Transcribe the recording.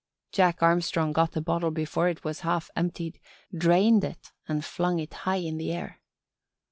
Jack Armstrong got the bottle before it was half emptied, drained it and flung it high in the air.